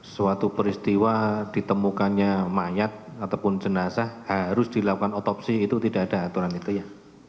suatu peristiwa ditemukannya mayat ataupun jenazah harus dilakukan otopsi itu tidak ada aturan itu ya